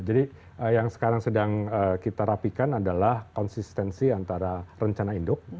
jadi yang sekarang sedang kita rapikan adalah konsistensi antara rencana induk